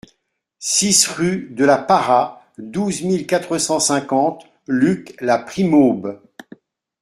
six rue de la Parra, douze mille quatre cent cinquante Luc-la-Primaube